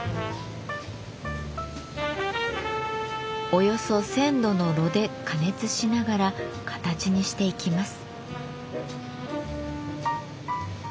およそ１，０００度の炉で加熱しながら形にしていきます。